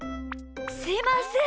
すいません。